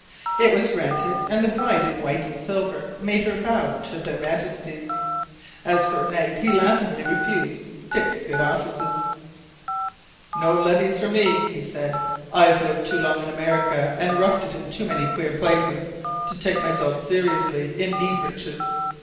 It was granted, and the bride in white and silver made her bow to their majesties. As for Knight, he laughingly refused Dick's good offices. "No levees for me!" he said. "I've lived too long in America, and roughed it in too many queer places, to take myself seriously in knee breeches.